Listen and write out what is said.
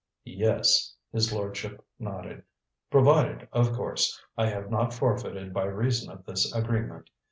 "Yes." His lordship nodded. "Provided, of course, I have not forfeited by reason of this agreement.